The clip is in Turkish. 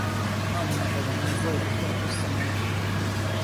Amma da yaman zeybek olmuşsun ha!